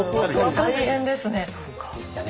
大変ですね。